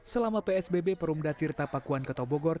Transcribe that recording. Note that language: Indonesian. selama psbb perumda tirta pakuan kota bogor